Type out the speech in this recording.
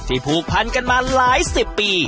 ผูกพันกันมาหลายสิบปี